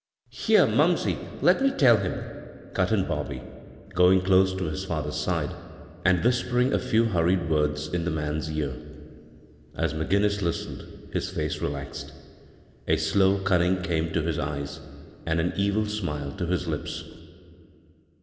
" Here, mumsey, let me tell him," cut in Bobby, going close to his father's side, and whispering a few hurried words in the man's ear. As McGinois listened, his face relaxed. A slow cumyng came to his eyes, and an evil smile to his tips.